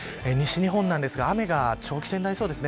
西日本ですが、雨が長期戦になりそうです。